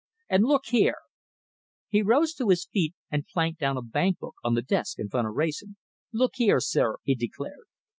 And look here!" He rose to his feet and planked down a bank book on the desk in front of Wrayson. "Look here, sir," he declared.